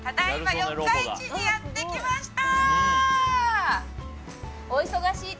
四日市にやってきました